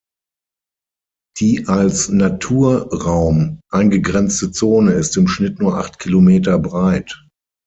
Die als Naturraum eingegrenzte Zone ist im Schnitt nur acht Kilometer breit.